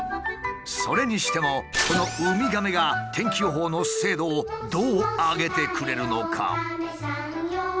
それにしてもこのウミガメが天気予報の精度をどう上げてくれるのか？